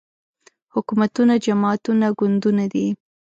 حکومتونه جماعتونه ګوندونه دي